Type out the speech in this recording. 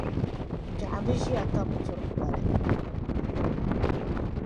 Gbɛɣu bi ʒia ka bɛ turi kpali.